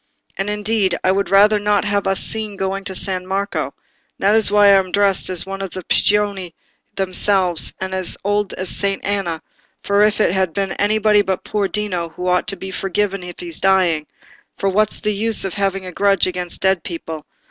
And, indeed, I would rather not have us seen going to San Marco, and that's why I am dressed as if I were one of the Piagnoni themselves, and as old as Sant' Anna; for if it had been anybody but poor Dino, who ought to be forgiven if he's dying, for what's the use of having a grudge against dead people?